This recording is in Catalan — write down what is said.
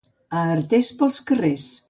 A Artés, pels carrers.